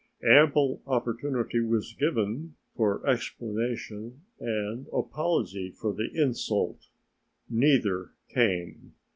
Ample opportunity was given for explanation and apology for the insult. Neither came.